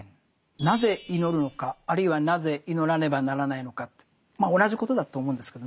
なぜ祈るのかあるいはなぜ祈らねばならないのかってまあ同じことだと思うんですけどね。